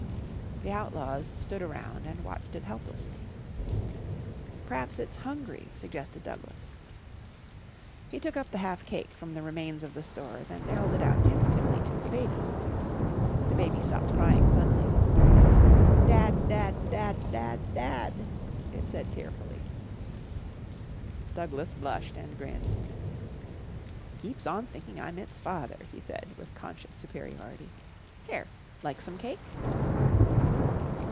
The Outlaws stood around and watched it helplessly. "P'raps it's hungry," suggested Douglas. He took up the half cake from the remains of the stores and held it out tentatively to the baby. The baby stopped crying suddenly. "Dad dad dad dad dad," it said tearfully. Douglas blushed and grinned. "Keeps on thinking I'm its father," he said with conscious superiority. "Here, like some cake?"